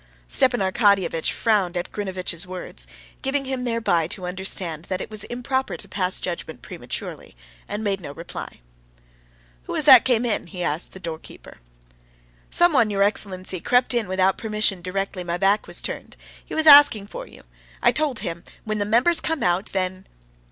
Stepan Arkadyevitch frowned at Grinevitch's words, giving him thereby to understand that it was improper to pass judgment prematurely, and made him no reply. "Who was that came in?" he asked the doorkeeper. "Someone, your excellency, crept in without permission directly my back was turned. He was asking for you. I told him: when the members come out, then...."